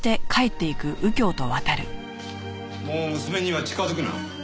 もう娘には近づくな。